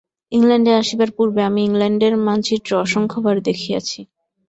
ইংলণ্ডে আসিবার পূর্বে আমি ইংলণ্ডের মানচিত্র অসংখ্যবার দেখিয়াছি।